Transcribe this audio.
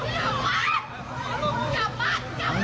ท่านไม่ต้องมีชนออกมาดอ้าง